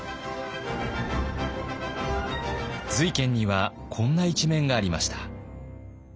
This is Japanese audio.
瑞賢にはこんな一面がありました。